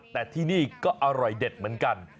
แต่ที่นี่ก็อร่อยเด็ดเหมือนกัน